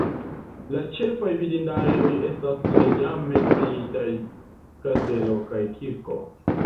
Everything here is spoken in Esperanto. La ĉefaj vidindaĵoj estas la jam menciitaj kastelo kaj kirko.